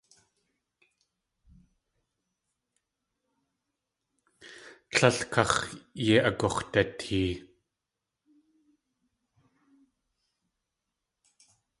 Tlél káx̲ yei agux̲datee.